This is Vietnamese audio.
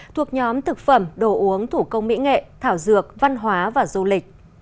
thuộc nhóm thực phẩm đồ uống thủ công mỹ nghệ thảo dược văn hóa và du lịch